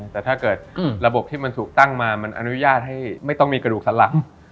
แต่ถ้าเกิดระบบที่มันถูกตั้งมามันอนุญาตให้ไม่ต้องมีกระดูกสันหลัง